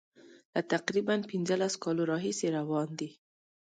له تقریبا پنځلسو کالو راهیسي روان دي.